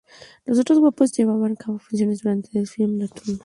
Los otros grupos llevaban a cabo sus funciones durante el desfile nocturno.